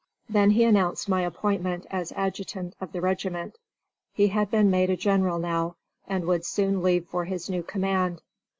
Then he announced my appointment as adjutant of the regiment. He had been made a general now, and would soon leave for his new command.